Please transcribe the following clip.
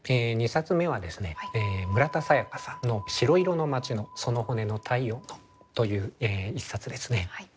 ２冊目はですね村田沙耶香さんの「しろいろの街の、その骨の体温の」という一冊ですね。